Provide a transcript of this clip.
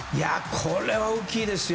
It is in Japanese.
これは大きいです。